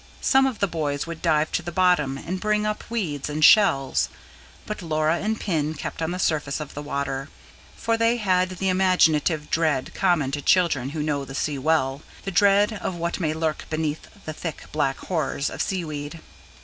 Some of the boys would dive to the bottom and bring up weeds and shells, but Laura and Pin kept on the surface of the water; for they had the imaginative dread common to children who know the sea well the dread of what may lurk beneath the thick, black horrors of seaweed.